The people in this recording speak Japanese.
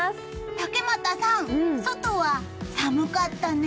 竹俣さん、外は寒かったね！